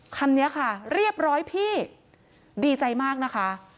คำนี้ค่ะเรียบร้อยพี่ดีใจมากนะคะ